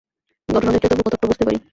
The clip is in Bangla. ঘটনা দেখলে তবু কতকটা বুঝতে পারি।